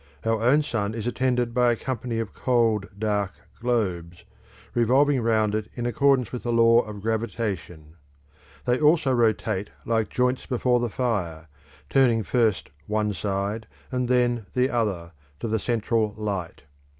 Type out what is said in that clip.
Our own sun is attended by a company of cold, dark globes, revolving round it in accordance with the law of gravitation; they also rotate like joints before the fire, turning first one side, and then the other, to the central light.